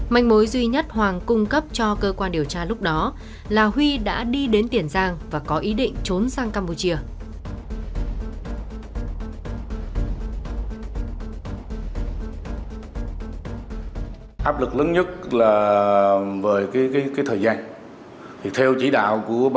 manh mối duy nhất hoàng cung cấp cho cơ quan điều tra lúc đó là huy đã đi đến tiền giang và có ý định trốn sang campuchia